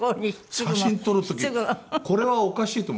写真撮る時これはおかしいと思う。